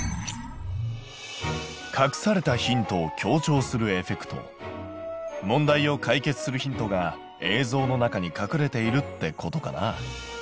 隠されたヒントを強調するエフェクト問題を解決するヒントが映像の中に隠れているってことかな。